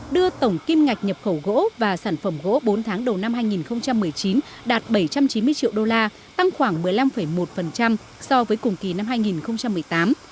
đưa tổng kim ngạch nhập khẩu gỗ và sản phẩm gỗ bốn tháng đầu năm hai nghìn một mươi chín đạt bảy trăm chín mươi triệu đô la tăng khoảng một mươi năm một so với cùng kỳ năm hai nghìn một mươi tám